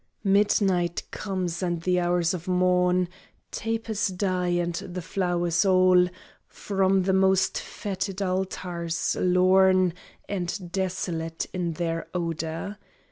Midnight comes and the hours of morn, Tapers die and the flowers all From the most fêted altars: lorn And desolate is their odour.